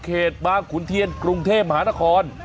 บางขุนเทียนกรุงเทพมหานคร